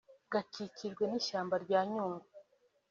gakikijwe n’ishyamba rya Nyungwe